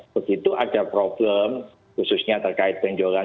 begitu ada problem khususnya terkait penjualan